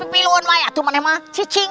kami sudah menyelamatkan